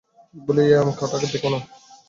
বলি এই আম কটা দেখো না?